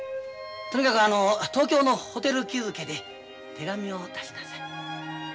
とにかくあの東京のホテル気付で手紙を出しなさい。